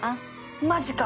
マジか！